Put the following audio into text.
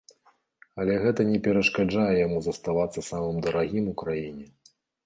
Але гэта не перашкаджае яму заставацца самым дарагім у краіне.